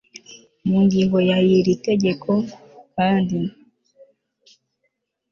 mu ngingo ya y iri tegeko kandi